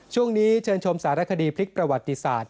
เชิญชมสารคดีพลิกประวัติศาสตร์